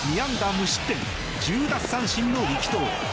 無失点１０奪三振の力投。